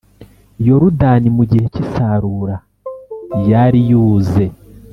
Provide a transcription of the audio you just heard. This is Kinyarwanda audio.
Yorudani mu gihe cy’isarura yari yuze